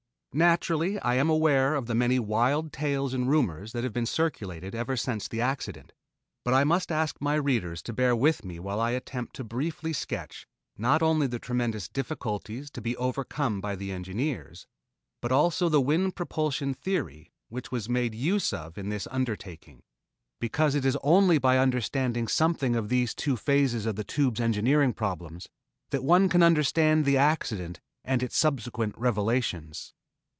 Naturally I am aware of the many wild tales and rumors that have been circulated ever since the accident, but I must ask my readers to bear with me while I attempt to briefly sketch, not only the tremendous difficulties to be overcome by the engineers, but also the wind propulsion theory which was made use of in this undertaking; because it is only by understanding something of these two phases of the Tube's engineering problems that one can understand the accident and its subsequent revelations.